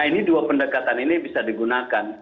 nah ini dua pendekatan ini bisa digunakan